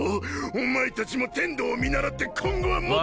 お前たちも天道を見習って今後はもっと。